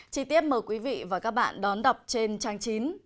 chí tiết mời quý vị và các bạn đón đọc trên trang chín